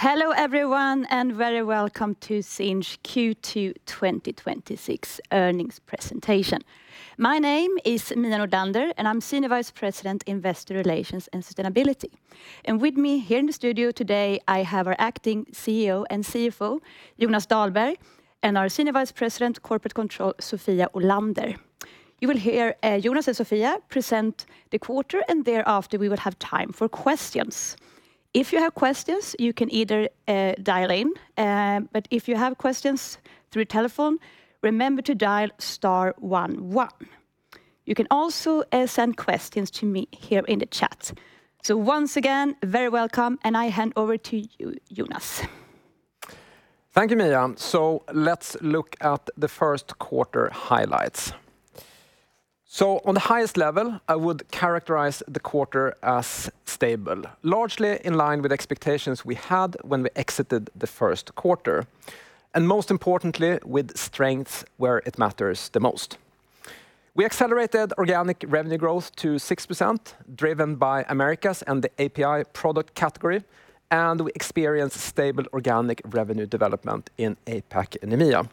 Hello everyone, and very welcome to Sinch Q2 2026 earnings presentation. My name is Mia Nordlander, and I am Senior Vice President, Investor Relations and Sustainability. With me here in the studio today, I have our Acting CEO and CFO, Jonas Dahlberg, and our Senior Vice President, Corporate Control, Sofia Ohlander. You will hear Jonas and Sofia present the quarter, and thereafter we will have time for questions. If you have questions, you can either dial in, but if you have questions through telephone, remember to dial star one one. You can also send questions to me here in the chat. Once again, very welcome. I hand over to you, Jonas. Thank you, Mia. Let's look at the first quarter highlights. On the highest level, I would characterize the quarter as stable, largely in line with expectations we had when we exited the first quarter, and most importantly, with strengths where it matters the most. We accelerated organic revenue growth to 6%, driven by Americas and the API product category, and we experienced stable organic revenue development in APAC and EMEA.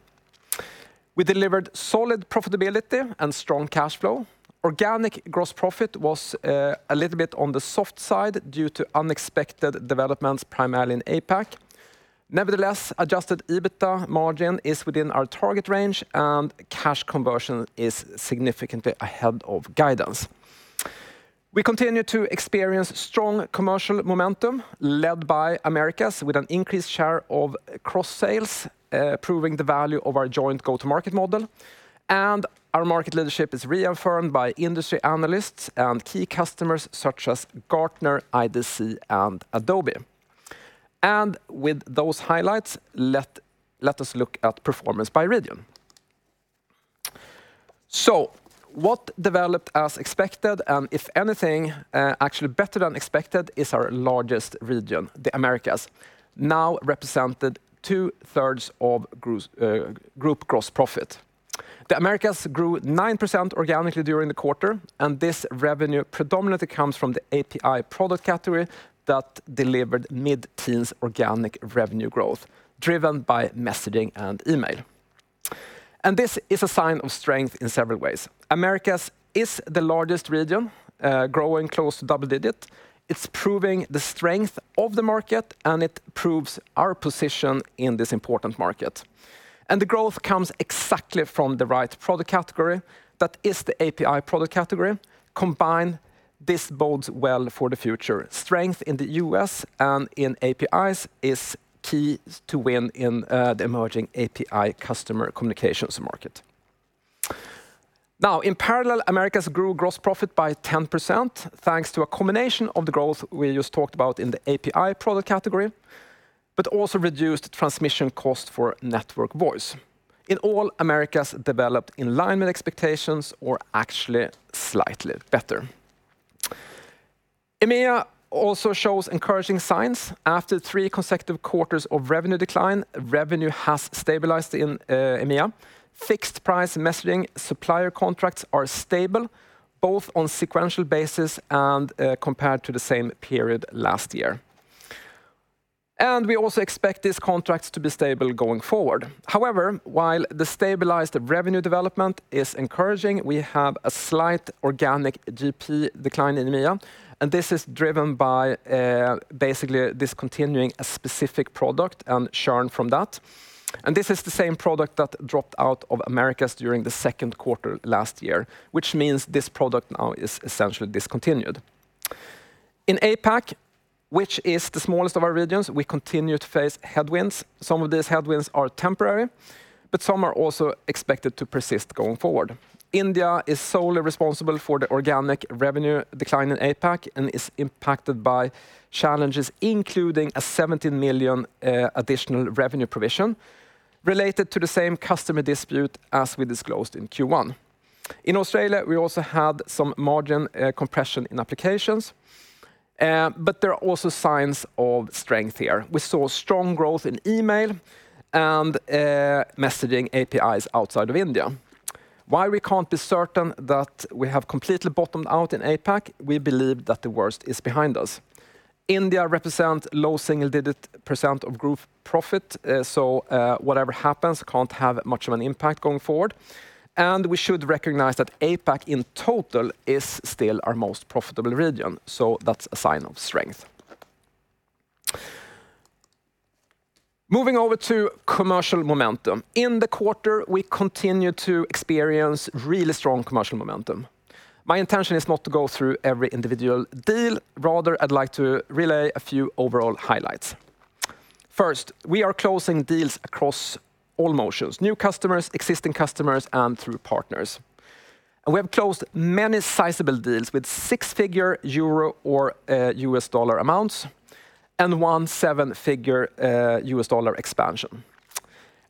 We delivered solid profitability and strong cash flow. Organic gross profit was a little bit on the soft side due to unexpected developments, primarily in APAC. Nevertheless, adjusted EBITDA margin is within our target range, and cash conversion is significantly ahead of guidance. We continue to experience strong commercial momentum led by Americas with an increased share of cross-sales, proving the value of our joint go-to-market model, and our market leadership is reaffirmed by industry analysts and key customers such as Gartner, IDC, and Adobe. With those highlights, let us look at performance by region. What developed as expected, and if anything, actually better than expected, is our largest region, the Americas. Represented two-thirds of group gross profit. The Americas grew 9% organically during the quarter, and this revenue predominantly comes from the API product category that delivered mid-teens organic revenue growth, driven by Messaging and Email. This is a sign of strength in several ways. Americas is the largest region, growing close to double digit. It is proving the strength of the market, and it proves our position in this important market. The growth comes exactly from the right product category. That is the API product category. Combined, this bodes well for the future. Strength in the U.S. and in APIs is key to win in the emerging API customer communications market. In parallel, Americas grew gross profit by 10%, thanks to a combination of the growth we just talked about in the API product category, but also reduced transmission cost for network voice. In all Americas developed in line with expectations or actually slightly better. EMEA also shows encouraging signs. After three consecutive quarters of revenue decline, revenue has stabilized in EMEA. Fixed price messaging supplier contracts are stable both on sequential basis and compared to the same period last year. We also expect these contracts to be stable going forward. However, while the stabilized revenue development is encouraging, we have a slight organic GP decline in EMEA, and this is driven by basically discontinuing a specific product and churn from that. This is the same product that dropped out of Americas during the second quarter last year, which means this product now is essentially discontinued. In APAC, which is the smallest of our regions, we continue to face headwinds. Some of these headwinds are temporary, but some are also expected to persist going forward. India is solely responsible for the organic revenue decline in APAC and is impacted by challenges including a 17 million additional revenue provision related to the same customer dispute as we disclosed in Q1. In Australia, we also had some margin compression in applications, but there are also signs of strength here. We saw strong growth in Email and Messaging APIs outside of India. While we can't be certain that we have completely bottomed out in APAC, we believe that the worst is behind us. India represent low single-digit percent of group profit, so whatever happens can't have much of an impact going forward. We should recognize that APAC in total is still our most profitable region. That's a sign of strength. Moving over to commercial momentum. In the quarter, we continue to experience really strong commercial momentum. My intention is not to go through every individual deal. Rather, I'd like to relay a few overall highlights. First, we are closing deals across all motions, new customers, existing customers, and through partners. We have closed many sizable deals with six-figure euro or U.S. dollar amounts and one seven-figure U.S. dollar expansion.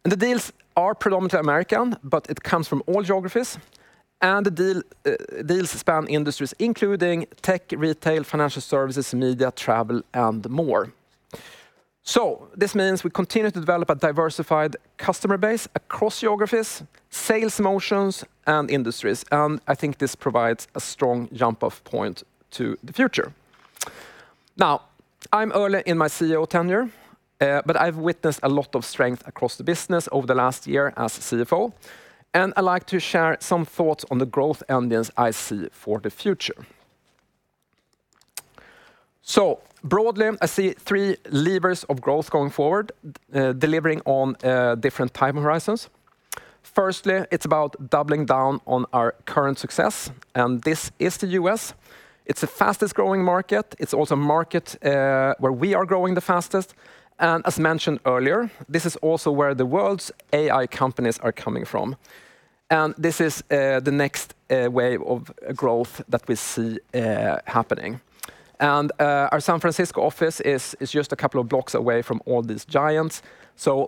The deals are predominantly American, but it comes from all geographies. The deals span industries including tech, retail, financial services, media, travel and more. This means we continue to develop a diversified customer base across geographies, sales motions, and industries. I think this provides a strong jump-off point to the future. Now, I'm early in my CEO tenure, but I've witnessed a lot of strength across the business over the last year as CFO, and I'd like to share some thoughts on the growth engines I see for the future. Broadly, I see three levers of growth going forward, delivering on different time horizons. Firstly, it's about doubling down on our current success, and this is the U.S. It's the fastest-growing market. It's also a market where we are growing the fastest. As mentioned earlier, this is also where the world's AI companies are coming from. This is the next wave of growth that we see happening. Our San Francisco office is just a couple of blocks away from all these giants.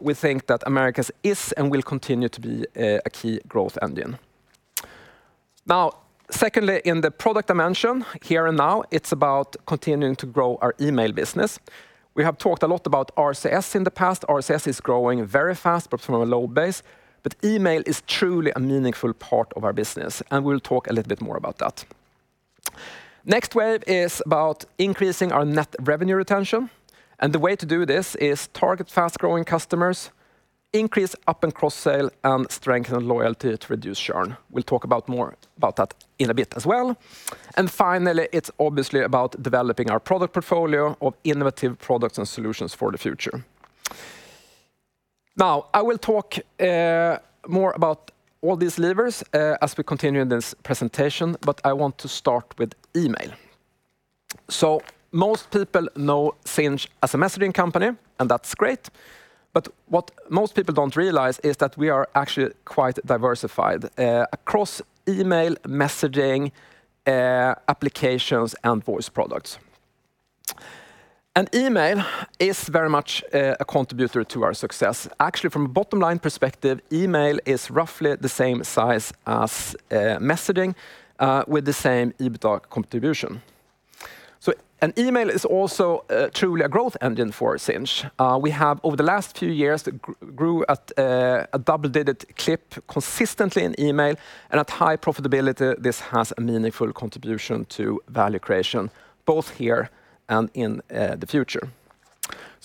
We think that Americas is and will continue to be a key growth engine. Now, secondly, in the product dimension, here and now, it's about continuing to grow our Email business. We have talked a lot about RCS in the past. RCS is growing very fast, but from a low base. Email is truly a meaningful part of our business, and we'll talk a little bit more about that. Next wave is about increasing our net revenue retention. The way to do this is target fast-growing customers, increase up and cross-sale, and strengthen loyalty to reduce churn. We'll talk about more about that in a bit as well. Finally, it's obviously about developing our product portfolio of innovative products and solutions for the future. I will talk more about all these levers as we continue this presentation, but I want to start with Email. Most people know Sinch as a Messaging company, and that's great. What most people don't realize is we are actually quite diversified across Email, Messaging, Applications, and Voice products. Email is very much a contributor to our success. Actually, from a bottom-line perspective, Email is roughly the same size as Messaging with the same EBITDA contribution. Email is also truly a growth engine for Sinch. We have, over the last few years, grew at a double-digit clip consistently in Email and at high profitability. This has a meaningful contribution to value creation both here and in the future.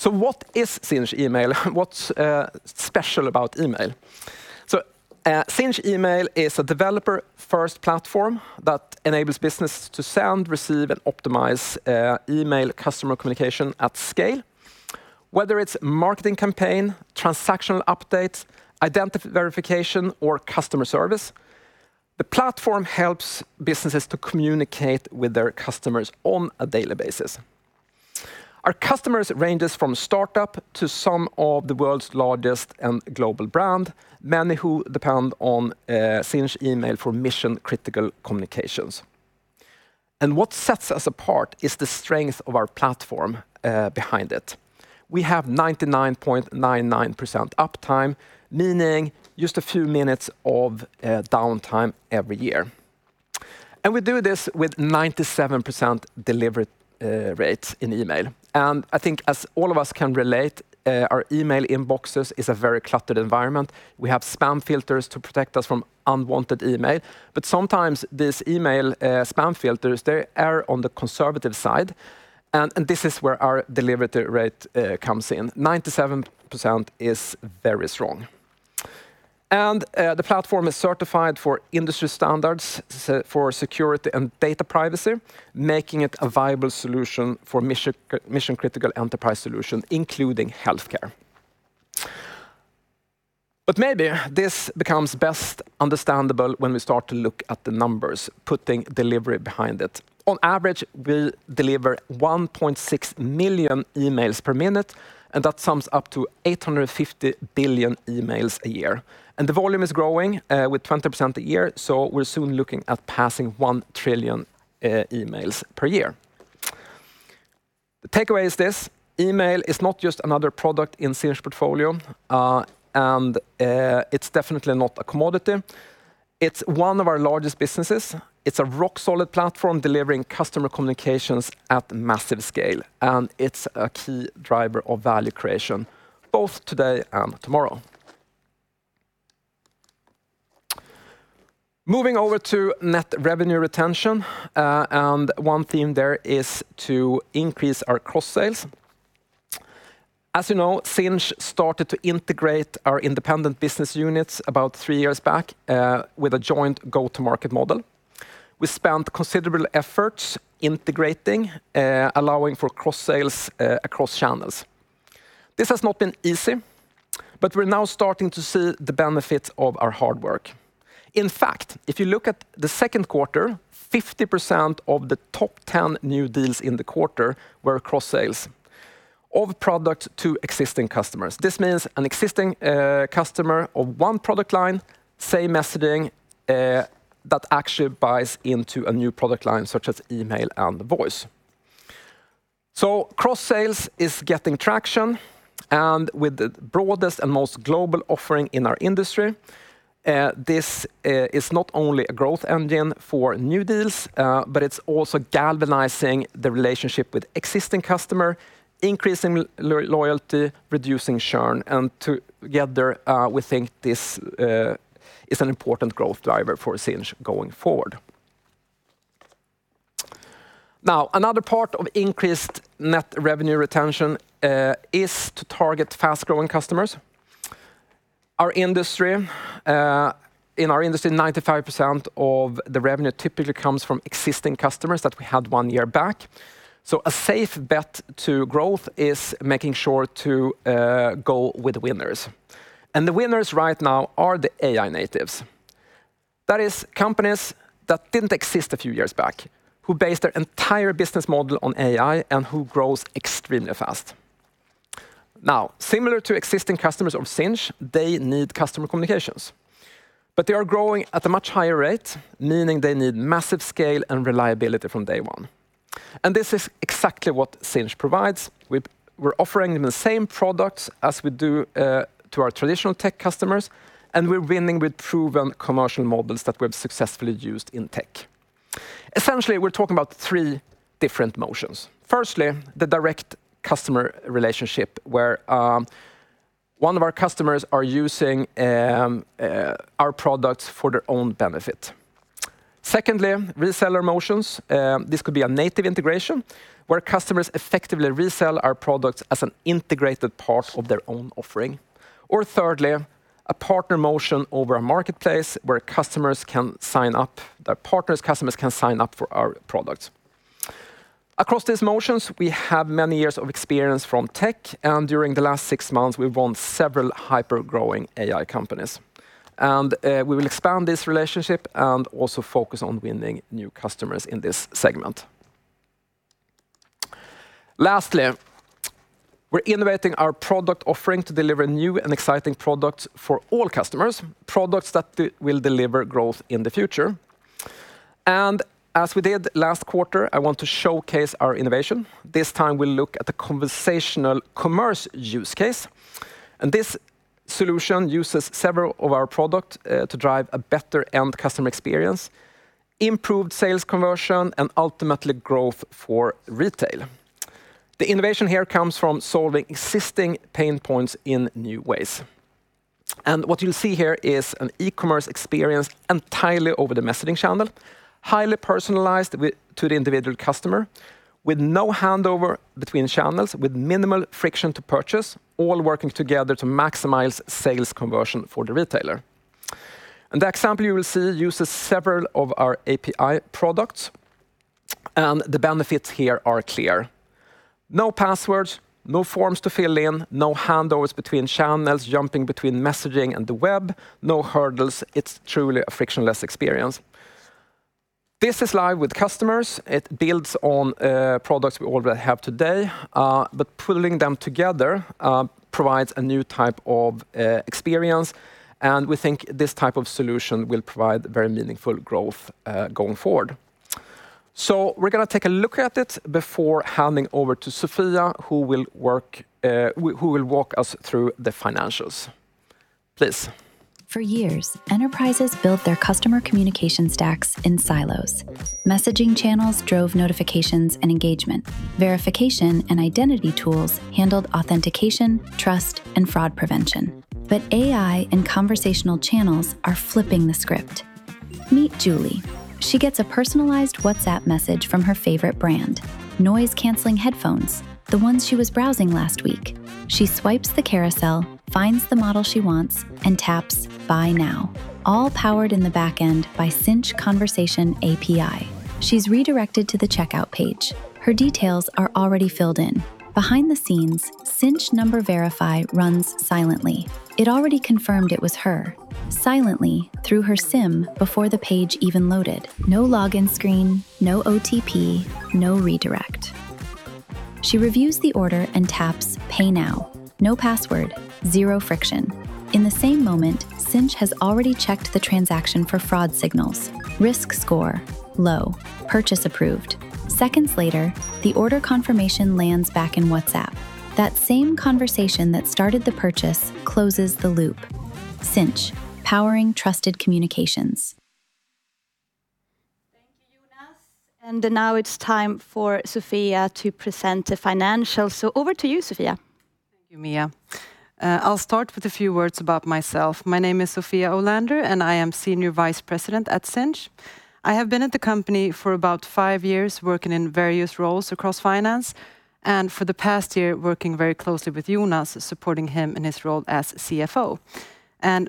What is Sinch Email? What's special about Email? Sinch Email is a developer-first platform that enables business to send, receive, and optimize Email customer communication at scale. Whether it's marketing campaign, transactional updates, identity verification, or customer service, the platform helps businesses to communicate with their customers on a daily basis. Our customers ranges from startup to some of the world's largest and global brand, many who depend on Sinch Email for mission-critical communications. What sets us apart is the strength of our platform behind it. We have 99.99% uptime, meaning just a few minutes of downtime every year. We do this with 97% delivery rates in Email. I think as all of us can relate, our email inboxes is a very cluttered environment. We have spam filters to protect us from unwanted email. Sometimes these email spam filters, they err on the conservative side. This is where our delivery rate comes in. 97% is very strong. The platform is certified for industry standards for security and data privacy, making it a viable solution for mission-critical enterprise solution, including healthcare. Maybe this becomes best understandable when we start to look at the numbers, putting delivery behind it. On average, we deliver 1.6 million emails per minute, and that sums up to 850 billion emails a year. The volume is growing with 20% a year, so we're soon looking at passing 1 trillion emails per year. The takeaway is this: Email is not just another product in Sinch portfolio, and it's definitely not a commodity. It's one of our largest businesses. It's a rock-solid platform delivering customer communications at massive scale, and it's a key driver of value creation both today and tomorrow. Moving over to net revenue retention, one theme there is to increase our cross-sales. As you know, Sinch started to integrate our independent business units about three years back with a joint go-to-market model. We spent considerable efforts integrating, allowing for cross-sales across channels. This has not been easy, but we're now starting to see the benefits of our hard work. In fact, if you look at the second quarter, 50% of the top 10 new deals in the quarter were cross-sales of product to existing customers. This means an existing customer of one product line, say Messaging, that actually buys into a new product line such as Email and Voice. Cross-sales is getting traction, and with the broadest and most global offering in our industry, this is not only a growth engine for new deals, but it's also galvanizing the relationship with existing customer, increasing loyalty, reducing churn, and together, we think this is an important growth driver for Sinch going forward. Another part of increased net revenue retention is to target fast-growing customers. In our industry, 95% of the revenue typically comes from existing customers that we had one year back. A safe bet to growth is making sure to go with the winners. And the winners right now are the AI natives. That is, companies that didn't exist a few years back, who base their entire business model on AI and who grows extremely fast. Similar to existing customers of Sinch, they need customer communications, but they are growing at a much higher rate, meaning they need massive scale and reliability from day one. This is exactly what Sinch provides. We're offering them the same products as we do to our traditional tech customers, and we're winning with proven commercial models that we've successfully used in tech. Essentially, we're talking about three different motions. Firstly, the direct customer relationship, where one of our customers are using our products for their own benefit. Secondly, reseller motions. This could be a native integration where customers effectively resell our products as an integrated part of their own offering. Thirdly, a partner motion over a marketplace where customers can sign up, their partners' customers can sign up for our products. Across these motions, we have many years of experience from tech, and during the last six months, we've won several hyper-growing AI companies. We will expand this relationship and also focus on winning new customers in this segment. Lastly, we're innovating our product offering to deliver new and exciting products for all customers, products that will deliver growth in the future. As we did last quarter, I want to showcase our innovation. This time, we'll look at the conversational commerce use case, and this solution uses several of our product to drive a better end customer experience, improved sales conversion, and ultimately growth for retail. The innovation here comes from solving existing pain points in new ways. What you'll see here is an e-commerce experience entirely over the messaging channel, highly personalized to the individual customer, with no handover between channels, with minimal friction to purchase, all working together to maximize sales conversion for the retailer. The example you will see uses several of our API products, and the benefits here are clear. No passwords, no forms to fill in, no handovers between channels, jumping between messaging and the web, no hurdles. It's truly a frictionless experience. This is live with customers. It builds on products we already have today. Pulling them together provides a new type of experience, and we think this type of solution will provide very meaningful growth going forward. We're going to take a look at it before handing over to Sofia, who will walk us through the financials. Please. For years, enterprises built their customer communication stacks in silos. Messaging channels drove notifications and engagement. Verification and identity tools handled authentication, trust, and fraud prevention. AI and conversational channels are flipping the script. Meet Julie. She gets a personalized WhatsApp message from her favorite brand. Noise-canceling headphones, the ones she was browsing last week. She swipes the carousel, finds the model she wants, and taps Buy Now, all powered in the back end by Sinch Conversation API. She's redirected to the checkout page. Her details are already filled in. Behind the scenes, Sinch Number Verify runs silently. It already confirmed it was her, silently through her SIM before the page even loaded. No login screen, no OTP, no redirect. She reviews the order and taps Pay Now. No password, zero friction. In the same moment, Sinch has already checked the transaction for fraud signals. Risk score, low. Purchase approved. Seconds later, the order confirmation lands back in WhatsApp. That same conversation that started the purchase closes the loop. Sinch, powering trusted communications. Thank you, Jonas. Now it's time for Sofia to present the financials. Over to you, Sofia. Thank you, Mia. I'll start with a few words about myself. My name is Sofia Ohlander, and I am Senior Vice President at Sinch. I have been at the company for about five years, working in various roles across finance, and for the past year, working very closely with Jonas, supporting him in his role as CFO.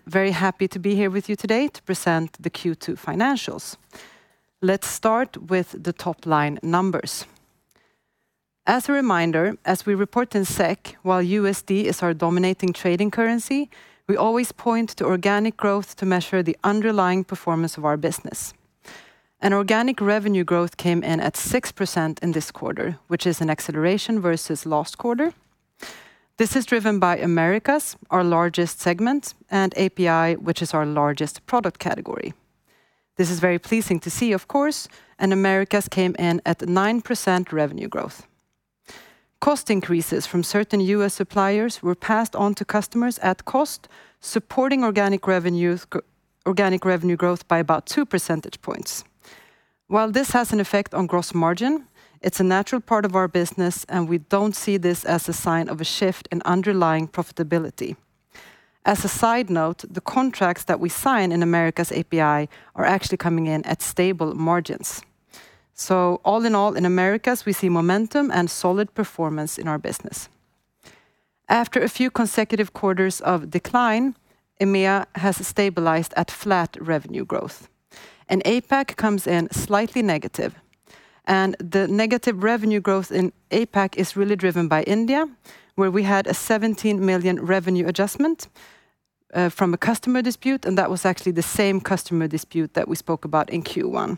Very happy to be here with you today to present the Q2 financials. Let's start with the top-line numbers. As a reminder, as we report in SEK, while USD is our dominating trading currency, we always point to organic growth to measure the underlying performance of our business. Organic revenue growth came in at 6% in this quarter, which is an acceleration versus last quarter. This is driven by Americas, our largest segment, and API, which is our largest product category. This is very pleasing to see, of course. Americas came in at 9% revenue growth. Cost increases from certain U.S. suppliers were passed on to customers at cost, supporting organic revenue growth by about two percentage points. While this has an effect on gross margin, it's a natural part of our business, and we don't see this as a sign of a shift in underlying profitability. As a side note, the contracts that we sign in Americas API are actually coming in at stable margins. All in all, in Americas, we see momentum and solid performance in our business. After a few consecutive quarters of decline, EMEA has stabilized at flat revenue growth, and APAC comes in slightly negative. The negative revenue growth in APAC is really driven by India, where we had a 17 million revenue adjustment from a customer dispute, and that was actually the same customer dispute that we spoke about in Q1.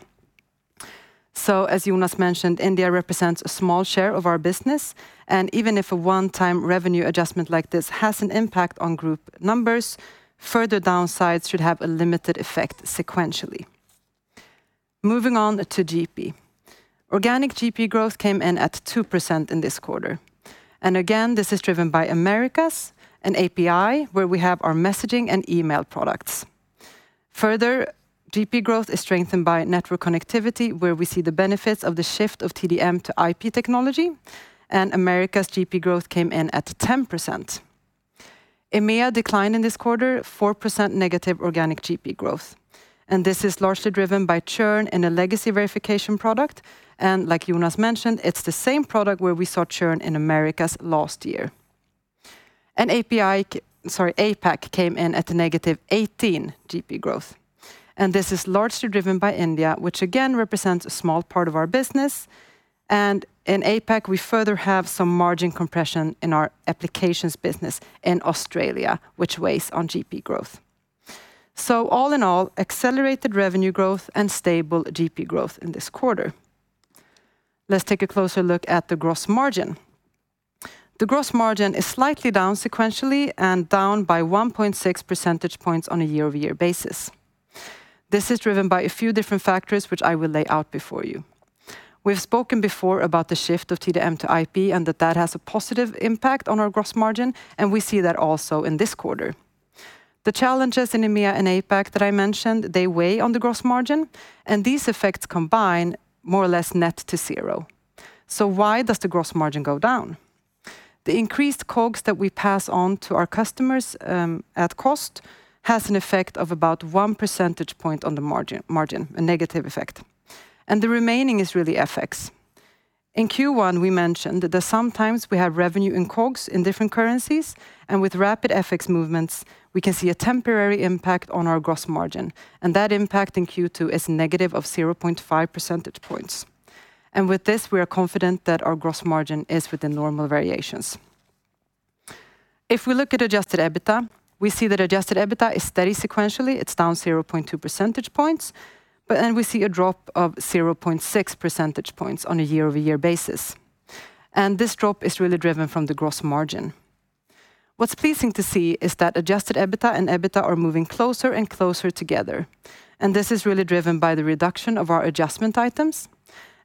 As Jonas mentioned, India represents a small share of our business, and even if a one-time revenue adjustment like this has an impact on group numbers, further downsides should have a limited effect sequentially. Moving on to GP. Organic GP growth came in at 2% in this quarter. Again, this is driven by Americas and API, where we have our Messaging and Email products. Further, GP growth is strengthened by network connectivity, where we see the benefits of the shift of TDM to IP technology. Americas GP growth came in at 10%. EMEA declined in this quarter, 4%- organic GP growth. This is largely driven by churn in a legacy verification product. Like Jonas mentioned, it's the same product where we saw churn in Americas last year. APAC came in at a -18% GP growth. This is largely driven by India, which again represents a small part of our business. In APAC, we further have some margin compression in our applications business in Australia, which weighs on GP growth. All in all, accelerated revenue growth and stable GP growth in this quarter. Let's take a closer look at the gross margin. The gross margin is slightly down sequentially and down by 1.6 percentage points on a year-over-year basis. This is driven by a few different factors, which I will lay out before you. We've spoken before about the shift of TDM to IP and that that has a positive impact on our gross margin, and we see that also in this quarter. The challenges in EMEA and APAC that I mentioned, they weigh on the gross margin, and these effects combine more or less net to zero. Why does the gross margin go down? The increased COGS that we pass on to our customers at cost has an effect of about one percentage point on the margin, a negative effect. The remaining is really FX. In Q1, we mentioned that sometimes we have revenue in COGS in different currencies, and with rapid FX movements, we can see a temporary impact on our gross margin. That impact in Q2 is negative of 0.5 percentage points. With this, we are confident that our gross margin is within normal variations. If we look at adjusted EBITDA, we see that adjusted EBITDA is steady sequentially. It is down 0.2 percentage points, we see a drop of 0.6 percentage points on a year-over-year basis. This drop is really driven from the gross margin. What is pleasing to see is that adjusted EBITDA and EBITDA are moving closer and closer together. This is really driven by the reduction of our adjustment items.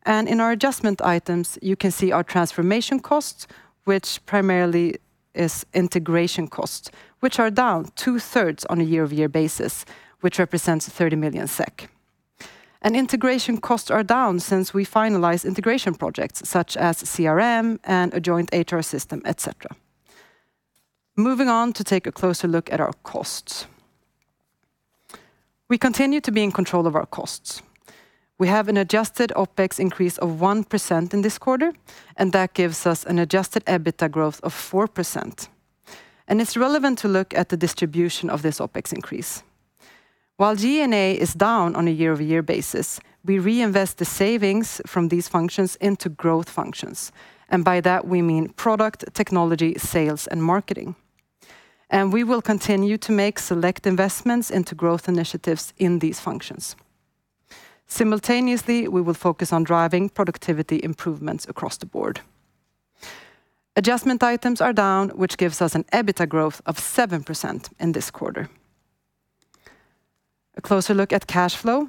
In our adjustment items, you can see our transformation costs, which primarily is integration costs, which are down two-thirds on a year-over-year basis, which represents 30 million SEK. Integration costs are down since we finalized integration projects such as CRM and a joint HR system, et cetera. Moving on to take a closer look at our costs. We continue to be in control of our costs. We have an adjusted OpEx increase of 1% in this quarter, that gives us an adjusted EBITDA growth of 4%. It is relevant to look at the distribution of this OpEx increase. While G&A is down on a year-over-year basis, we reinvest the savings from these functions into growth functions. By that we mean product, technology, sales, and marketing. We will continue to make select investments into growth initiatives in these functions. Simultaneously, we will focus on driving productivity improvements across the board. Adjustment items are down, which gives us an EBITDA growth of 7% in this quarter. A closer look at cash flow.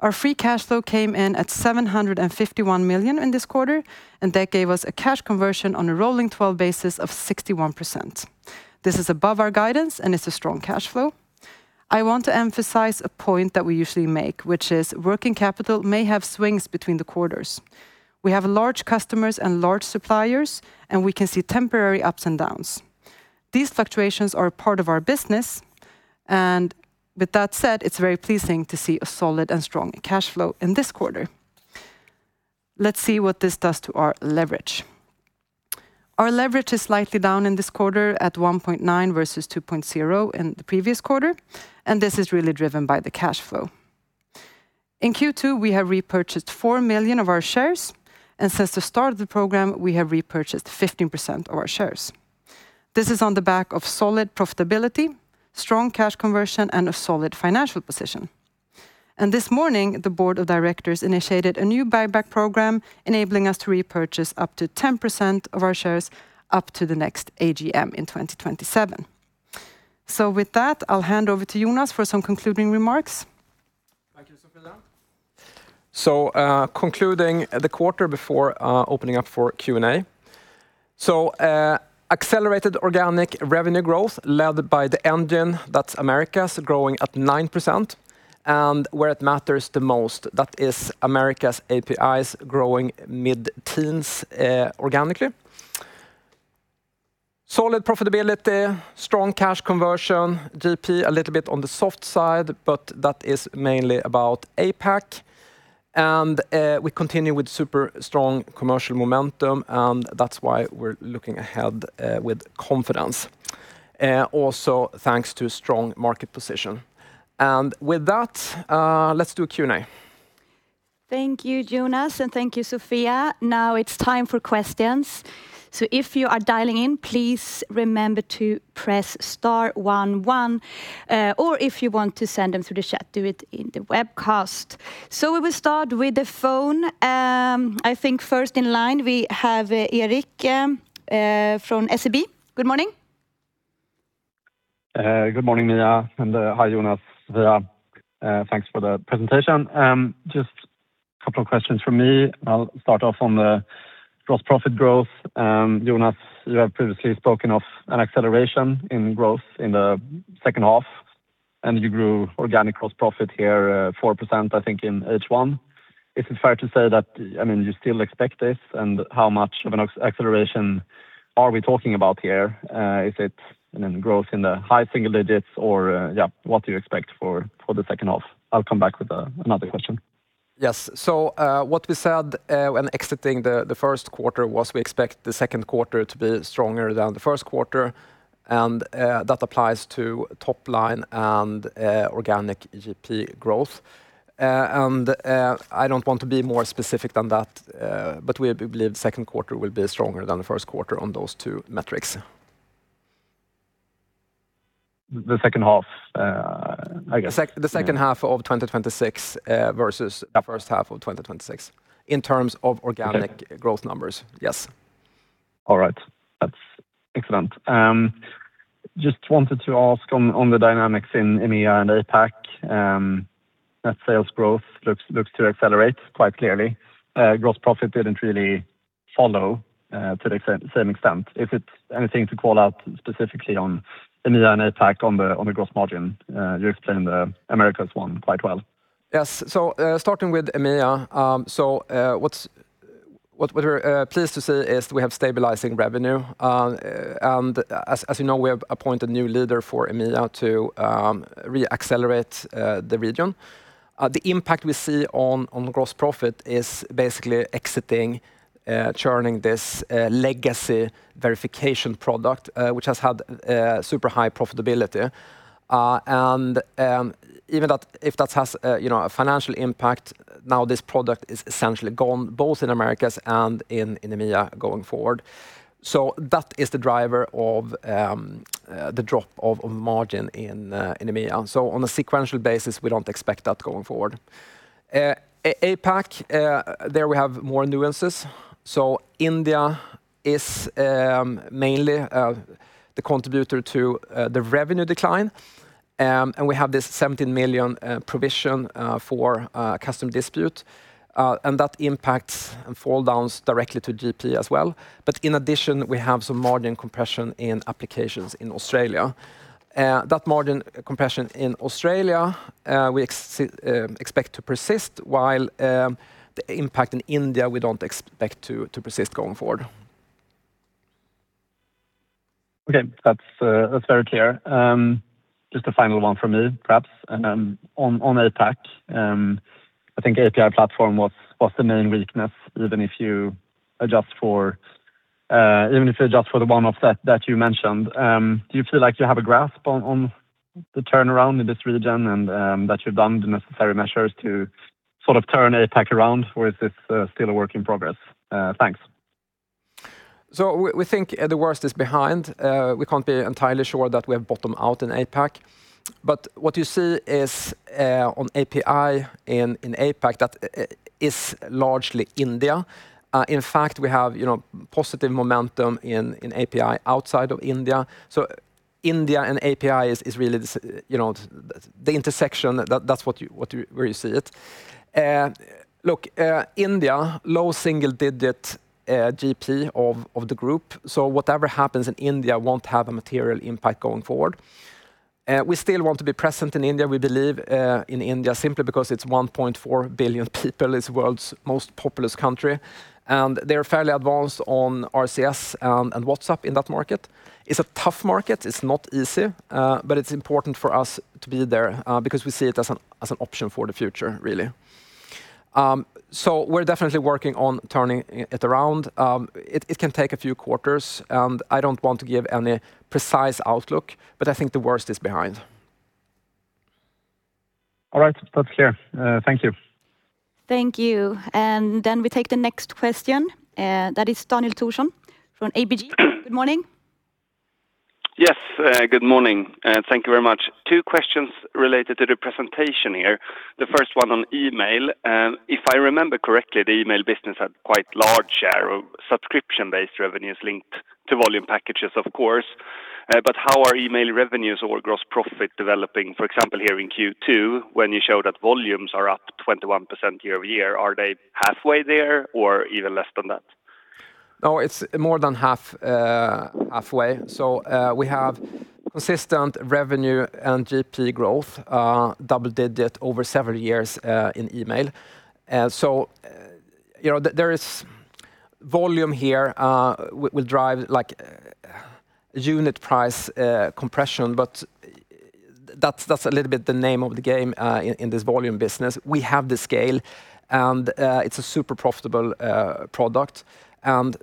Our free cash flow came in at 751 million in this quarter, that gave us a cash conversion on a rolling 12 basis of 61%. This is above our guidance, it is a strong cash flow. I want to emphasize a point that we usually make, which is working capital may have swings between the quarters. We have large customers and large suppliers, and we can see temporary ups and downs. These fluctuations are a part of our business. With that said, it is very pleasing to see a solid and strong cash flow in this quarter. Let's see what this does to our leverage. Our leverage is slightly down in this quarter at 1.9 versus 2.0 in the previous quarter, this is really driven by the cash flow. In Q2, we have repurchased 4 million of our shares, since the start of the program, we have repurchased 15% of our shares. This is on the back of solid profitability, strong cash conversion, and a solid financial position. This morning, the board of directors initiated a new buyback program, enabling us to repurchase up to 10% of our shares up to the next AGM in 2027. With that, I will hand over to Jonas for some concluding remarks. Thank you, Sofia. Concluding the quarter before opening up for Q&A. Accelerated organic revenue growth led by the engine, that is Americas growing at 9%. Where it matters the most, that is Americas APIs growing mid-teens organically. Solid profitability, strong cash conversion. GP, a little bit on the soft side, but that is mainly about APAC. We continue with super strong commercial momentum, and that is why we are looking ahead with confidence. Also, thanks to strong market position. With that, let's do a Q&A. Thank you, Jonas, and thank you, Sofia. Now it is time for questions. If you are dialing in, please remember to press star one one, or if you want to send them through the chat, do it in the webcast. We will start with the phone. I think first in line, we have Erik from SEB. Good morning. Good morning, Mia, and hi, Jonas, Sofia. Thanks for the presentation. Just couple of questions from me. I will start off on the gross profit growth. Jonas, you have previously spoken of an acceleration in growth in the second half, and you grew organic gross profit here 4%, I think, in H1. Is it fair to say that you still expect this, and how much of an acceleration are we talking about here? Is it growth in the high single digits or what do you expect for the second half? I will come back with another question. Yes. What we said when exiting the first quarter was we expect the second quarter to be stronger than the first quarter, and that applies to top line and organic GP growth. I do not want to be more specific than that, but we believe second quarter will be stronger than the first quarter on those two metrics. The second half, I guess. The second half of 2026 versus the first half of 2026 in terms of organic growth numbers. Yes. All right. That's excellent. Just wanted to ask on the dynamics in EMEA and APAC. Net sales growth looks to accelerate quite clearly. Gross profit didn't really follow to the same extent. If it's anything to call out specifically on EMEA and APAC on the gross margin. You explained the Americas one quite well. Yes. Starting with EMEA. What we're pleased to see is we have stabilizing revenue. As you know, we have appointed new leader for EMEA to re-accelerate the region. The impact we see on gross profit is basically exiting, churning this legacy verification product, which has had super high profitability. Even if that has a financial impact, now this product is essentially gone, both in Americas and in EMEA going forward. That is the driver of the drop of margin in EMEA. On a sequential basis, we don't expect that going forward. APAC, there we have more nuances. India is mainly the contributor to the revenue decline, and we have this 17 million provision for custom dispute. That impacts and fall downs directly to GP as well. In addition, we have some margin compression in applications in Australia. That margin compression in Australia, we expect to persist while the impact in India, we don't expect to persist going forward. Okay. That's very clear. Just a final one from me, perhaps. On APAC, I think API platform was the main weakness, even if you adjust for the one offset that you mentioned. Do you feel like you have a grasp on the turnaround in this region and that you've done the necessary measures to turn APAC around, or is this still a work in progress? Thanks. We think the worst is behind. We can't be entirely sure that we have bottomed out in APAC. What you see is on API in APAC, that is largely India. In fact, we have positive momentum in API outside of India. India and API is really the intersection. That's where you see it. Look, India, low single digit GP of the group. Whatever happens in India won't have a material impact going forward. We still want to be present in India. We believe in India simply because it's 1.4 billion people. It's the world's most populous country, and they're fairly advanced on RCS and WhatsApp in that market. It's a tough market. It's not easy. It's important for us to be there because we see it as an option for the future, really. We're definitely working on turning it around. It can take a few quarters, and I don't want to give any precise outlook, but I think the worst is behind. All right. That's clear. Thank you. Thank you. Then we take the next question, that is Daniel Thorsson from ABG. Good morning. Yes, good morning. Thank you very much. Two questions related to the presentation here. The first one on Email. If I remember correctly, the Email business had quite large share of subscription-based revenues linked to volume packages, of course. How are Email revenues or gross profit developing, for example, here in Q2, when you show that volumes are up 21% year-over-year? Are they halfway there or even less than that? No, it's more than halfway. We have consistent revenue and GP growth, double-digit over several years in Email. There is volume here. We will drive unit price compression, that's a little bit the name of the game in this volume business. We have the scale and it's a super profitable product, and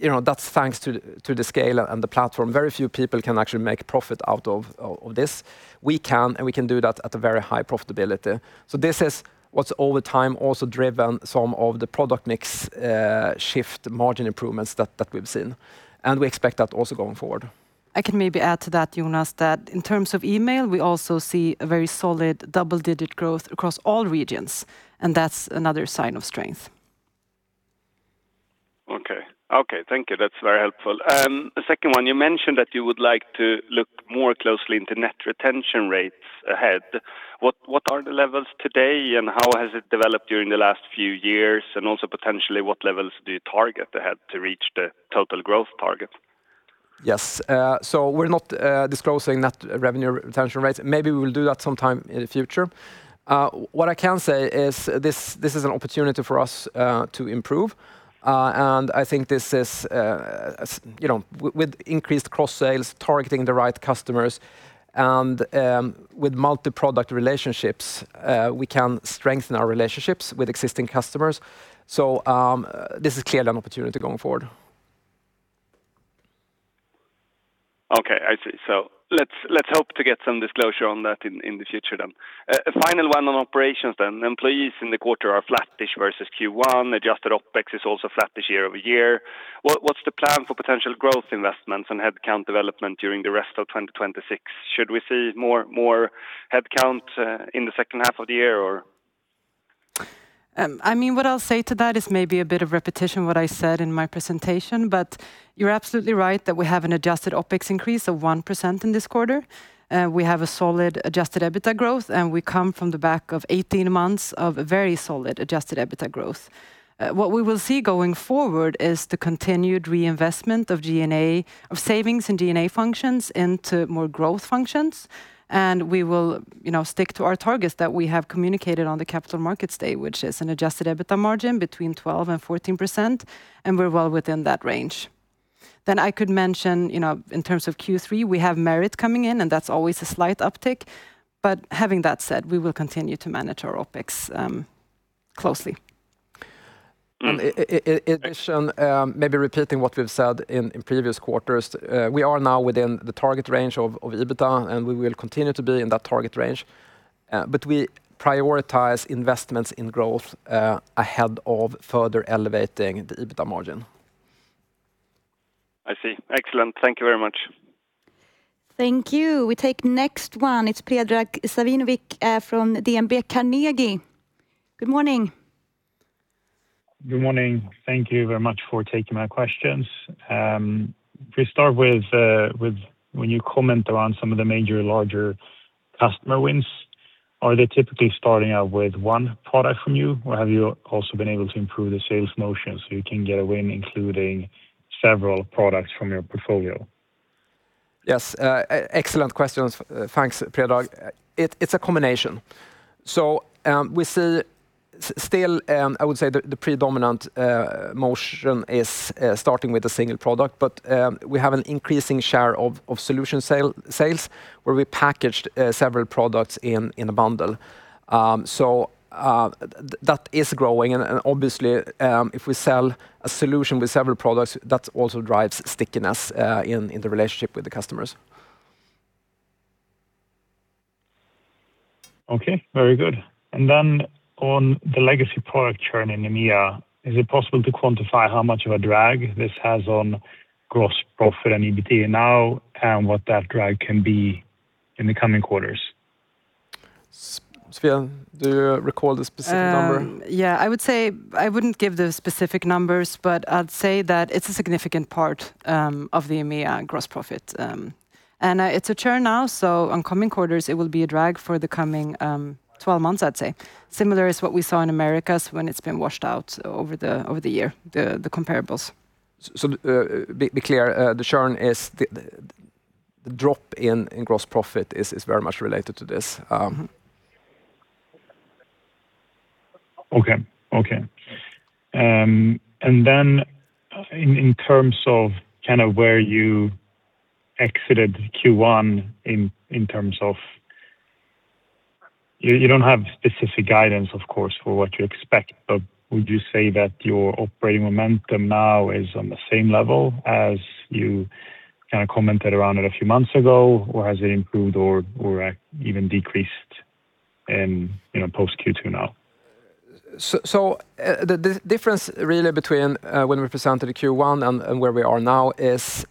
that's thanks to the scale and the platform. Very few people can actually make profit out of this. We can, and we can do that at a very high profitability. This is what's over time also driven some of the product mix shift margin improvements that we've seen, and we expect that also going forward. I can maybe add to that, Jonas, that in terms of Email, we also see a very solid double-digit growth across all regions. That's another sign of strength. Okay. Thank you. That's very helpful. Second one, you mentioned that you would like to look more closely into net retention rates ahead. What are the levels today, and how has it developed during the last few years? Also potentially, what levels do you target ahead to reach the total growth target? Yes. We're not disclosing net revenue retention rates. Maybe we will do that sometime in the future. What I can say is this is an opportunity for us to improve. I think with increased cross-sales, targeting the right customers, and with multi-product relationships, we can strengthen our relationships with existing customers. This is clearly an opportunity going forward. Okay, I see. Let's hope to get some disclosure on that in the future then. A final one on operations then. Employees in the quarter are flattish versus Q1. Adjusted OpEx is also flattish year-over-year. What's the plan for potential growth investments and headcount development during the rest of 2026? Should we see more headcount in the second half of the year or? What I'll say to that is maybe a bit of repetition what I said in my presentation, but you're absolutely right that we have an adjusted OpEx increase of 1% in this quarter. We have a solid adjusted EBITDA growth, and we come from the back of 18 months of very solid adjusted EBITDA growth. What we will see going forward is the continued reinvestment of savings in G&A functions into more growth functions. We will stick to our targets that we have communicated on the Capital Markets Day, which is an adjusted EBITDA margin between 12% and 14%, and we're well within that range. I could mention, in terms of Q3, we have merit coming in, and that's always a slight uptick. Having that said, we will continue to manage our OpEx closely. In addition, maybe repeating what we've said in previous quarters, we are now within the target range of EBITDA, and we will continue to be in that target range. We prioritize investments in growth ahead of further elevating the EBITDA margin. I see. Excellent. Thank you very much. Thank you. We take next one. It's Predrag Savinovic from DNB Carnegie. Good morning. Good morning. Thank you very much for taking my questions. When you comment around some of the major, larger customer wins, are they typically starting out with one product from you, or have you also been able to improve the sales motion so you can get a win including several products from your portfolio? Yes. Excellent questions. Thanks, Predrag. It's a combination. We see still, I would say the predominant motion is starting with a single product, but we have an increasing share of solution sales, where we packaged several products in a bundle. That is growing, and obviously, if we sell a solution with several products, that also drives stickiness in the relationship with the customers. Okay. Very good. On the legacy product churn in EMEA, is it possible to quantify how much of a drag this has on gross profit and EBIT now, and what that drag can be in the coming quarters? Sofia, do you recall the specific number? I would say I wouldn't give the specific numbers, but I'd say that it's a significant part of the EMEA gross profit. It's a churn now, on coming quarters, it will be a drag for the coming 12 months, I'd say. Similar is what we saw in Americas when it's been washed out over the year, the comparables. To be clear, the churn is the drop in gross profit is very much related to this. In terms of where you exited Q1, you don't have specific guidance, of course, for what you expect, would you say that your operating momentum now is on the same level as you commented around it a few months ago, or has it improved or even decreased in post Q2 now? The difference really between when we presented the Q1 and where we are now is,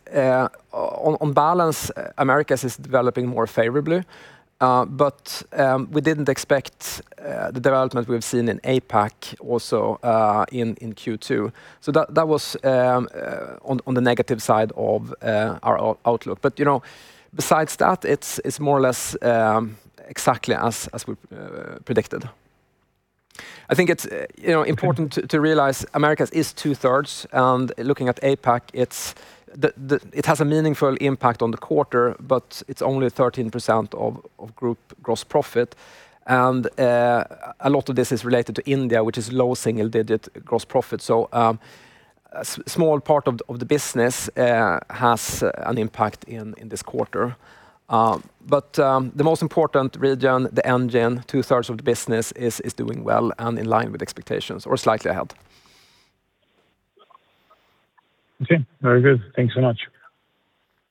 on balance, Americas is developing more favorably. We didn't expect the development we've seen in APAC also in Q2. That was on the negative side of our outlook. Besides that, it's more or less exactly as we predicted. I think it's important to realize Americas is two-thirds, looking at APAC, it has a meaningful impact on the quarter, it's only 13% of group gross profit. A lot of this is related to India, which is low single-digit gross profit. A small part of the business has an impact in this quarter. The most important region, the engine, two-thirds of the business is doing well and in line with expectations or slightly ahead. Okay. Very good. Thanks so much.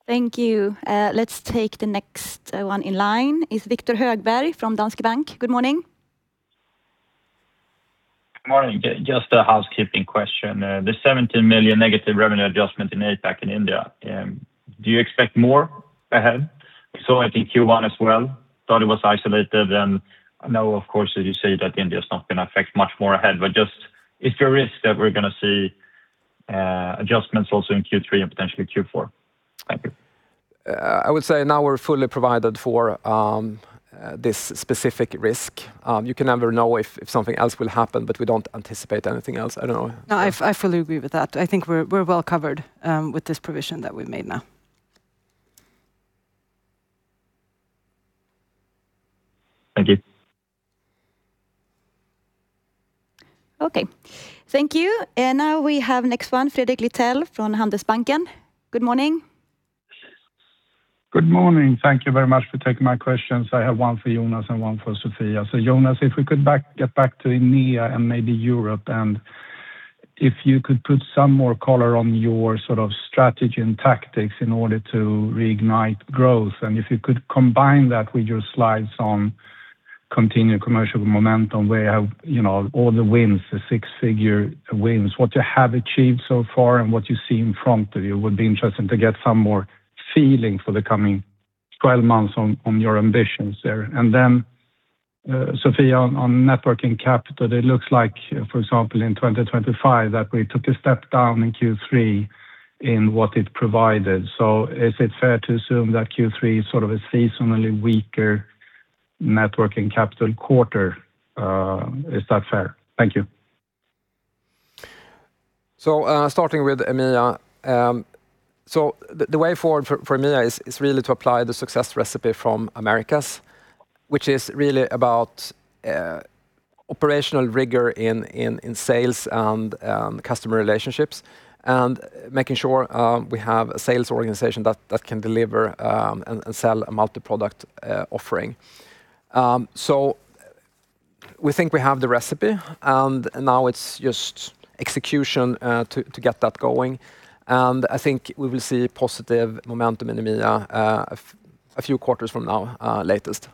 Thank you. Let's take the next one in line is Viktor Högberg from Danske Bank. Good morning. Good morning. Just a housekeeping question. The 17 million negative revenue adjustment in APAC in India, do you expect more ahead? We saw it in Q1 as well, thought it was isolated, and now, of course, as you say that India's not going to affect much more ahead, but just is there a risk that we're going to see adjustments also in Q3 and potentially Q4? Thank you. I would say now we're fully provided for this specific risk. You can never know if something else will happen, but we don't anticipate anything else. I don't know. No, I fully agree with that. I think we're well covered with this provision that we've made now. Thank you. Okay. Thank you. We have next one, Fredrik Lithell from Handelsbanken. Good morning. Good morning. Thank you very much for taking my questions. I have one for Jonas and one for Sofia. Jonas, if we could get back to EMEA and maybe Europe, and if you could put some more color on your strategy and tactics in order to reignite growth, and if you could combine that with your slides on continued commercial momentum where all the wins, the six-figure wins, what you have achieved so far and what you see in front of you, would be interesting to get some more feeling for the coming 12 months on your ambitions there. Then, Sofia, on net working capital, it looks like, for example, in 2025, that we took a step down in Q3 in what it provided. Is it fair to assume that Q3 is a seasonally weaker net working capital quarter? Is that fair? Thank you. Starting with EMEA. The way forward for EMEA is really to apply the success recipe from Americas, which is really about operational rigor in sales and customer relationships and making sure we have a sales organization that can deliver and sell a multi-product offering. We think we have the recipe, and now it's just execution to get that going. I think we will see positive momentum in EMEA a few quarters from now, latest.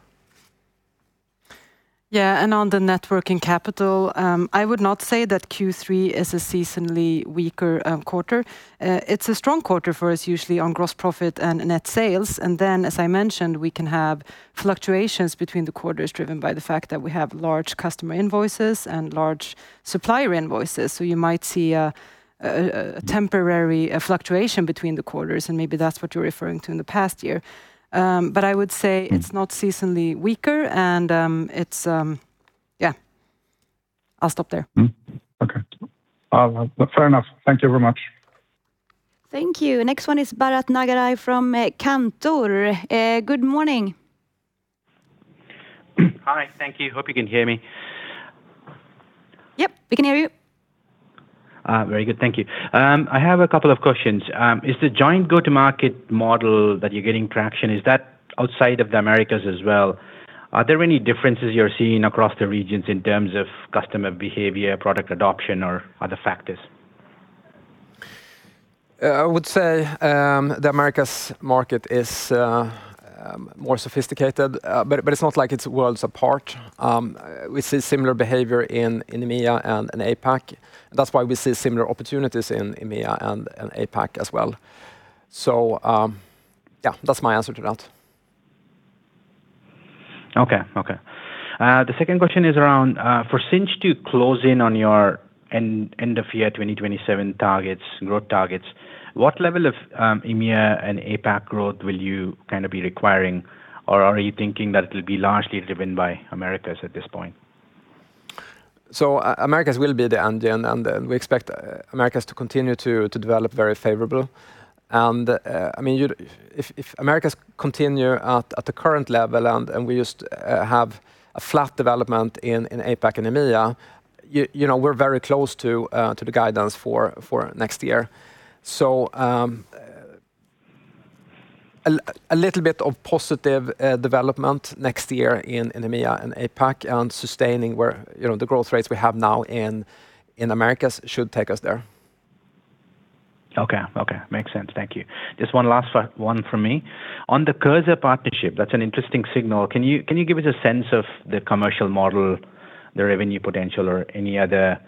Yeah. On the net working capital, I would not say that Q3 is a seasonally weaker quarter. It's a strong quarter for us, usually on gross profit and net sales. Then, as I mentioned, we can have fluctuations between the quarters driven by the fact that we have large customer invoices and large supplier invoices. You might see a temporary fluctuation between the quarters, and maybe that's what you're referring to in the past year. I would say it's not seasonally weaker. Yeah, I'll stop there. Okay. Fair enough. Thank you very much. Thank you. Next one is Bharath Nagaraj from Cantor. Good morning. Hi. Thank you. Hope you can hear me. Yep. We can hear you. Very good. Thank you. I have a couple of questions. Is the joint go-to-market model that you're getting traction, is that outside of the Americas as well? Are there any differences you're seeing across the regions in terms of customer behavior, product adoption, or other factors? I would say the Americas market is more sophisticated. It's not like it's worlds apart. We see similar behavior in EMEA and in APAC. That's why we see similar opportunities in EMEA and in APAC as well. Yeah, that's my answer to that. Okay. The second question is around for Sinch to close in on your end of year 2027 targets, growth targets, what level of EMEA and APAC growth will you be requiring? Or are you thinking that it'll be largely driven by Americas at this point? Americas will be the engine, and we expect Americas to continue to develop very favorable. If Americas continue at the current level and we just have a flat development in APAC and EMEA, we're very close to the guidance for next year. A little bit of positive development next year in EMEA and APAC and sustaining the growth rates we have now in Americas should take us there. Okay. Makes sense. Thank you. Just one last one from me. On the Cursor partnership, that's an interesting signal. Can you give us a sense of the commercial model, the revenue potential, or any other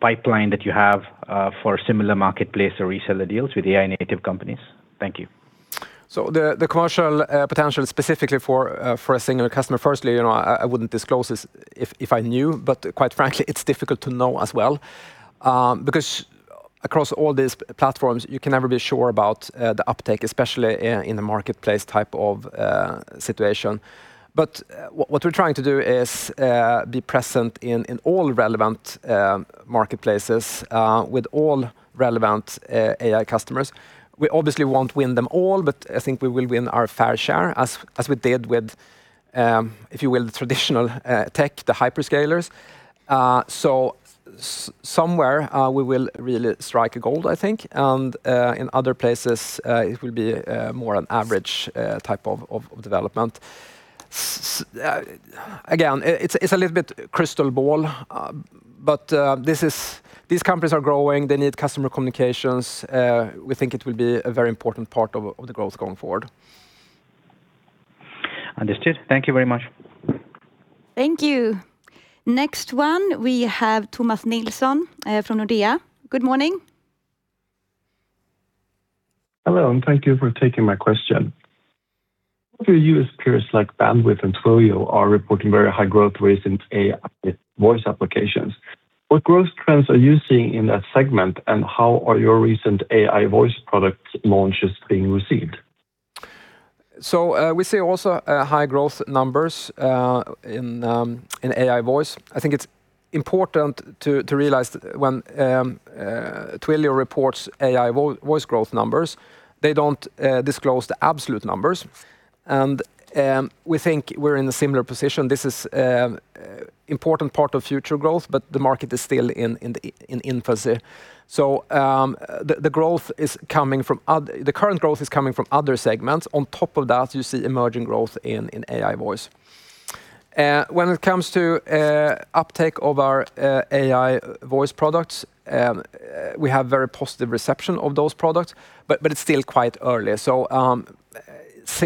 pipeline that you have for similar marketplace or reseller deals with AI native companies? Thank you. The commercial potential specifically for a singular customer, firstly, I wouldn't disclose this if I knew, but quite frankly, it's difficult to know as well because Across all these platforms, you can never be sure about the uptake, especially in the marketplace type of situation. What we're trying to do is be present in all relevant marketplaces with all relevant AI customers. We obviously won't win them all, but I think we will win our fair share as we did with, if you will, the traditional tech, the hyperscalers. Somewhere we will really strike gold, I think, and in other places, it will be more an average type of development. Again, it's a little bit crystal ball. These companies are growing, they need customer communications. We think it will be a very important part of the growth going forward. Understood. Thank you very much. Thank you. Next one, we have Thomas Nilsson from Nordea. Good morning. Hello, thank you for taking my question. Some of your U.S. peers like Bandwidth and Twilio are reporting very high growth rates in AI voice applications. What growth trends are you seeing in that segment, and how are your recent AI voice product launches being received? We see also high growth numbers in AI voice. I think it's important to realize when Twilio reports AI voice growth numbers, they don't disclose the absolute numbers, and we think we're in a similar position. This is an important part of future growth, but the market is still in infancy. The current growth is coming from other segments. On top of that, you see emerging growth in AI voice. When it comes to uptake of our AI voice products, we have very positive reception of those products, but it's still quite early.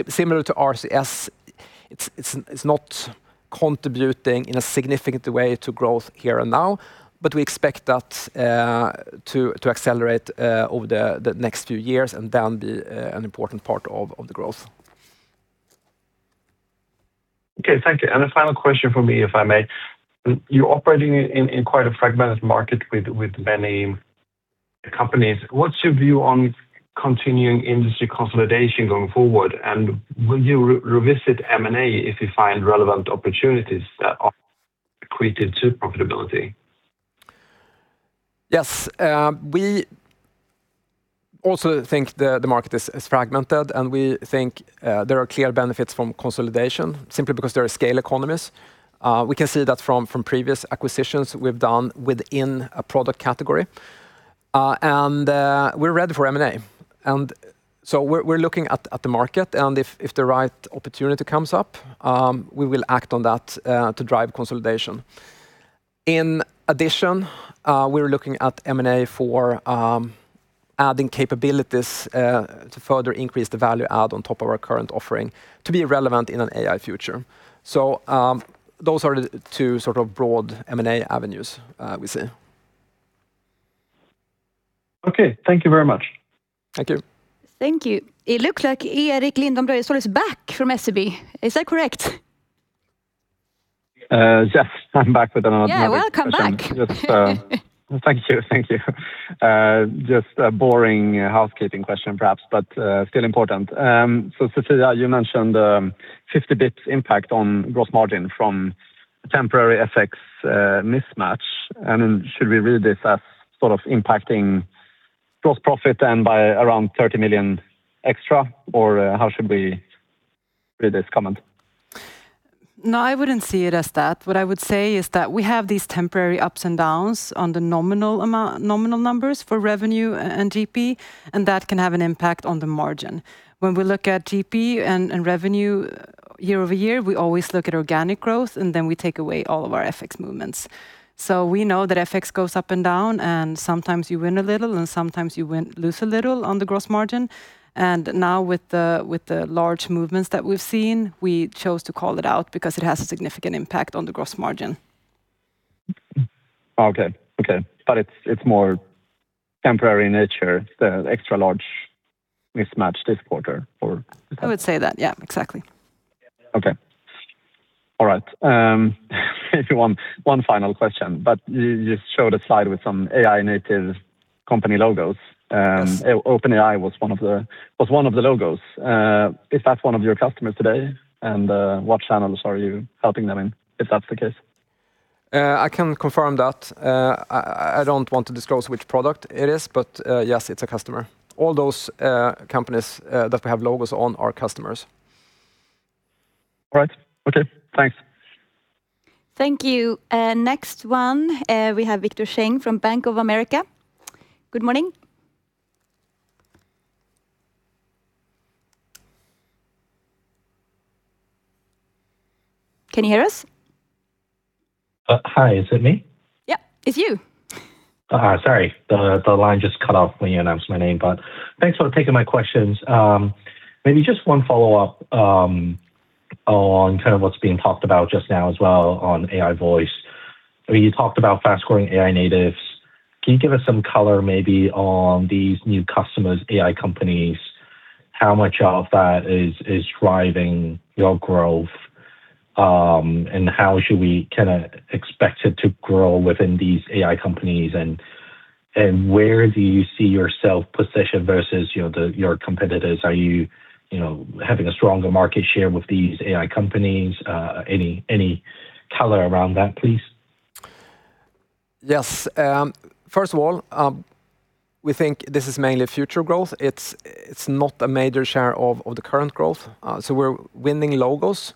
Similar to RCS, it's not contributing in a significant way to growth here and now, but we expect that to accelerate over the next few years and then be an important part of the growth. Okay, thank you. A final question from me, if I may. You're operating in quite a fragmented market with many companies. What's your view on continuing industry consolidation going forward, and will you revisit M&A if you find relevant opportunities that are accretive to profitability? Yes. We also think the market is fragmented, and we think there are clear benefits from consolidation simply because there are scale economies. We can see that from previous acquisitions we've done within a product category. We're ready for M&A, and so we're looking at the market, and if the right opportunity comes up, we will act on that to drive consolidation. In addition, we're looking at M&A for adding capabilities to further increase the value add on top of our current offering to be relevant in an AI future. Those are the two broad M&A avenues we see. Okay, thank you very much. Thank you. Thank you. It looks like Erik Lindholm-Röjestål is back from SEB. Is that correct? Yes, I'm back with another question. Yeah, welcome back. Thank you. Just a boring housekeeping question perhaps, but still important. Sofia, you mentioned 50 basis points impact on gross margin from temporary FX mismatch, should we read this as impacting gross profit and by around 30 million extra, or how should we read this comment? No, I wouldn't see it as that. What I would say is that we have these temporary ups and downs on the nominal numbers for revenue and GP, and that can have an impact on the margin. When we look at GP and revenue year-over-year, we always look at organic growth, and then we take away all of our FX movements. We know that FX goes up and down, and sometimes you win a little, and sometimes you lose a little on the gross margin. Now with the large movements that we've seen, we chose to call it out because it has a significant impact on the gross margin. Okay. It's more temporary in nature, the extra large mismatch this quarter, or? I would say that. Yeah, exactly. Okay. All right. Maybe one final question. You just showed a slide with some AI native company logos. Yes. OpenAI was one of the logos. Is that one of your customers today? What channels are you helping them in, if that's the case? I can confirm that. I don't want to disclose which product it is, but yes, it's a customer. All those companies that we have logos on are customers. All right. Okay, thanks. Thank you. Next one, we have Victor Cheng from Bank of America. Good morning. Can you hear us? Hi, is it me? Yep, it's you. Sorry, the line just cut off when you announced my name. Thanks for taking my questions. Maybe just one follow-up on what's being talked about just now as well on AI voice. You talked about fast-growing AI natives. Can you give us some color maybe on these new customers, AI companies? How much of that is driving your growth? How should we expect it to grow within these AI companies? Where do you see yourself positioned versus your competitors? Are you having a stronger market share with these AI companies? Any color around that, please? Yes. First of all, we think this is mainly future growth. It's not a major share of the current growth. We're winning logos,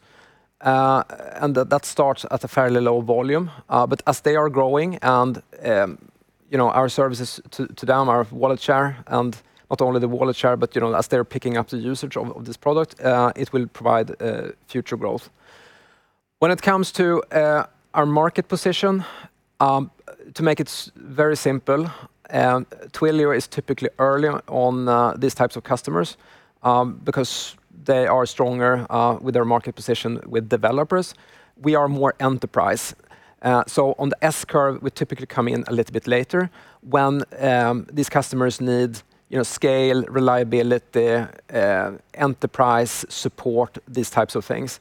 and that starts at a fairly low volume. As they are growing and our services to them, our wallet share, and not only the wallet share, but as they're picking up the usage of this product, it will provide future growth. When it comes to our market position, to make it very simple, Twilio is typically early on these types of customers because they are stronger with their market position with developers. We are more enterprise. On the S-curve, we typically come in a little bit later when these customers need scale, reliability, enterprise support, these types of things.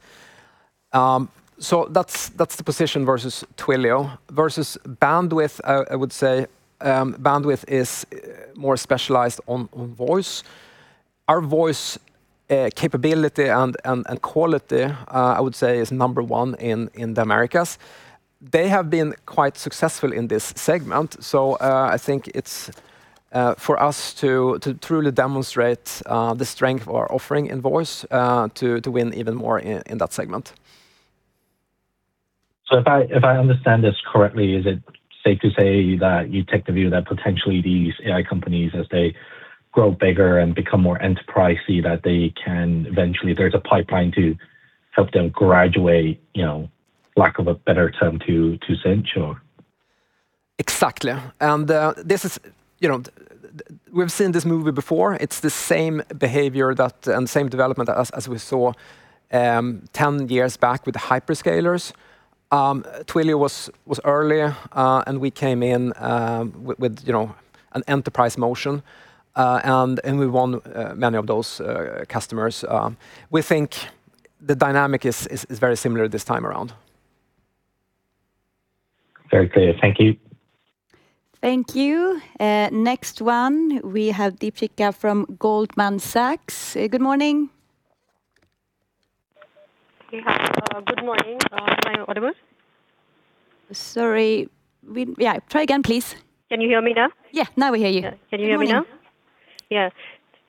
That's the position versus Twilio. Versus Bandwidth, I would say Bandwidth is more specialized on Voice. Our voice capability and quality, I would say, is number one in the Americas. They have been quite successful in this segment. I think it's for us to truly demonstrate the strength of our offering in Voice to win even more in that segment. If I understand this correctly, is it safe to say that you take the view that potentially these AI companies, as they grow bigger and become more enterprise-y, that they can eventually, there's a pipeline to help them graduate, lack of a better term, to Sinch, or? Exactly. We've seen this movie before. It's the same behavior and same development as we saw 10 years back with the hyperscalers. Twilio was early, and we came in with an enterprise motion, and we won many of those customers. We think the dynamic is very similar this time around. Very clear. Thank you. Thank you. Next one, we have Deepshikha from Goldman Sachs. Good morning. Yeah. Good morning. Am I audible? Sorry. Yeah. Try again, please. Can you hear me now? Yeah. Now we hear you. Can you hear me now? Good morning.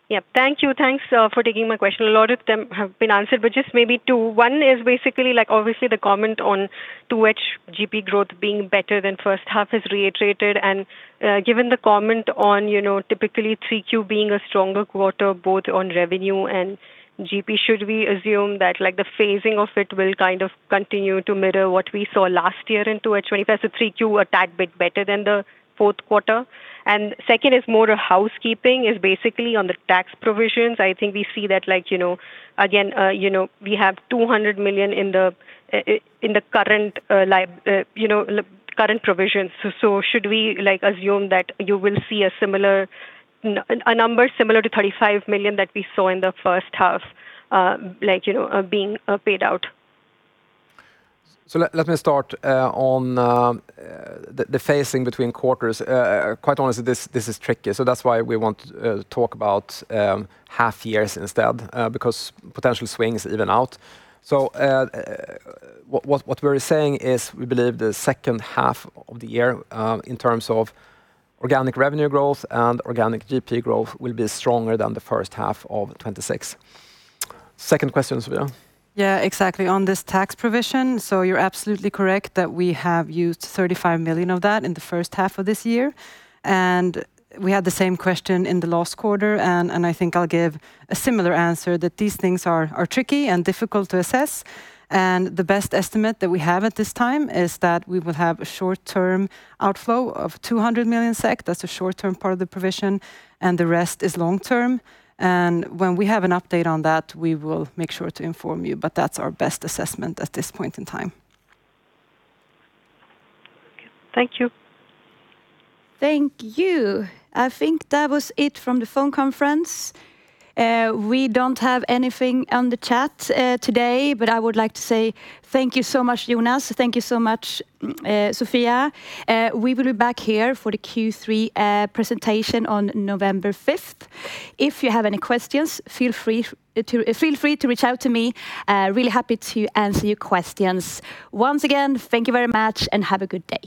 Yeah. Thank you. Thanks for taking my question. A lot of them have been answered, but just maybe two. One is basically, obviously the comment on 2H GP growth being better than first half is reiterated. Given the comment on typically 3Q being a stronger quarter both on revenue and GP, should we assume that the phasing of it will continue to mirror what we saw last year in 2H 2025, so 3Q a tad bit better than the fourth quarter? Second is more housekeeping, is basically on the tax provisions. I think we see that again, we have 200 million in the current provision. Should we assume that you will see a number similar to 35 million that we saw in the first half being paid out? Let me start on the phasing between quarters. Quite honestly, this is tricky, that's why we want to talk about half years instead, because potential swings even out. What we're saying is we believe the second half of the year in terms of organic revenue growth and organic GP growth will be stronger than the first half of 2026. Second question, Sofia. Yeah, exactly. On this tax provision, you're absolutely correct that we have used 35 million of that in the first half of this year, we had the same question in the last quarter, I think I'll give a similar answer, that these things are tricky and difficult to assess. The best estimate that we have at this time is that we will have a short-term outflow of 200 million SEK. That's the short-term part of the provision, the rest is long term. When we have an update on that, we will make sure to inform you, but that's our best assessment at this point in time. Okay. Thank you. Thank you. I think that was it from the phone conference. We don't have anything on the chat today, I would like to say thank you so much, Jonas. Thank you so much, Sofia. We will be back here for the Q3 presentation on November 5th. If you have any questions, feel free to reach out to me. Really happy to answer your questions. Once again, thank you very much and have a good day.